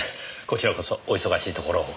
こちらこそお忙しいところを。